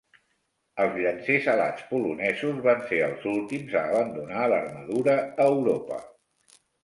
Els llancers "alats" polonesos van ser els últims a abandonar l'armadura a Europa.